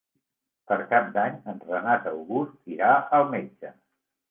Per Cap d'Any en Renat August irà al metge.